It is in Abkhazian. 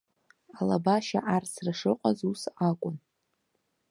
Алабашьа арсра шыҟаз ус акәын.